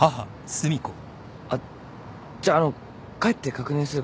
あっじゃあの帰って確認するからさ